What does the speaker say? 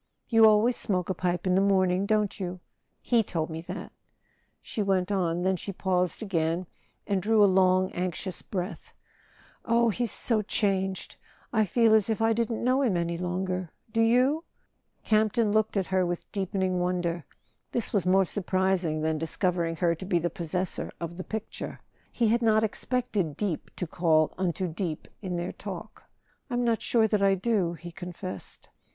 "You always smoke a pipe in the morning, don't you? He told me that," she went on; then she paused again and drew a long anxious breath. "Oh, he's so changed ! I feel as if I didn't know him any longer—do you?" Campton looked at her with deepening wonder. This was more surprising than discovering her to be the possessor of the picture; he had not expected deep to call unto deep in their talk. "I'm not sure that I do," he confessed.